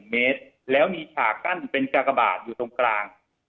เมตรแล้วมีฉากกั้นเป็นกากบาทอยู่ตรงกลาง